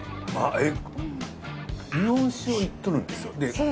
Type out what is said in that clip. えっ！？